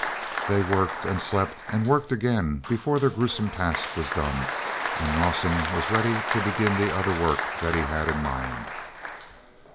They worked and slept and worked again before their gruesome task was done and Rawson was ready to begin the other work that he had in mind.